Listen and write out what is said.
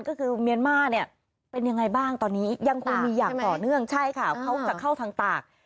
ก็คือเมียนมาร์เนี่ยเป็นยังไงบ้างตอนนี้ยังคงมีอย่างต่อเนื่องใช่ค่ะเขาจะเข้าทางตาก